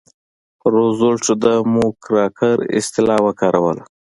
روزولټ د موکراکر اصطلاح وکاروله.